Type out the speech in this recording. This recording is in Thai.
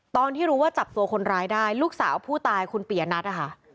ตอนที่รู้ว่าจับตัวคนร้ายได้ลูกสาวผู้ตายคุณปียนัทนะคะ